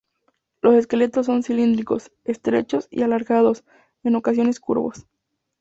Los esqueletos son cilíndricos, estrechos y alargados, en ocasiones curvos.